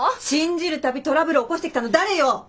信じる度トラブル起こしてきたの誰よ！